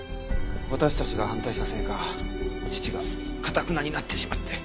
私たちが反対したせいか父が頑なになってしまって。